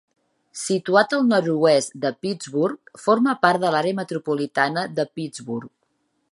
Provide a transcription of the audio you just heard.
Situat al nord-oest de Pittsburgh, forma part de l'àrea metropolitana de Pittsburgh.